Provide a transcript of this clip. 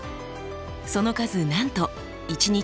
その数なんと１日